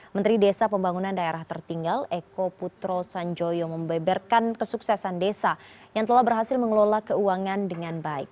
menteri desa pembangunan daerah tertinggal eko putro sanjoyo membeberkan kesuksesan desa yang telah berhasil mengelola keuangan dengan baik